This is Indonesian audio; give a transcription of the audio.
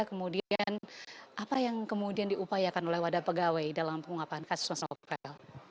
kemudian apa yang kemudian diupayakan oleh wadah pegawai dalam pengungkapan kasus novel